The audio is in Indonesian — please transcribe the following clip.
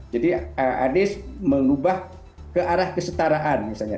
jadi anies mengubah ke arah kesetaraan misalnya